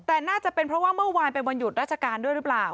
แต่น่าจะเป็นเพราะว่าเมื่อวานเป็นวันหยุดราชการด้วยหรือเปล่า